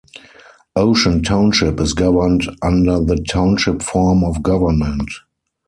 Ocean Township is governed under the Township form of government.